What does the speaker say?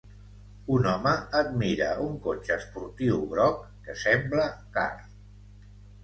Un home admira un cotxe esportiu groc que sembla car.